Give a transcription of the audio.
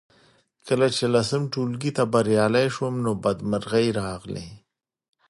کله چې لسم ټولګي ته بریالۍ شوم نو بدمرغۍ راغلې